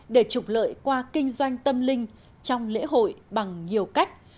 để trục lợi qua kinh doanh tâm linh trong lễ hội bằng nhiều cách